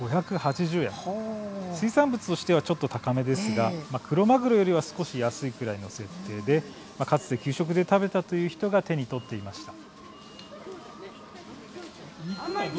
水産物としてはちょっと高めですがクロマグロよりは少し安いくらいの設定でかつて給食で食べたという人が手に取っていました。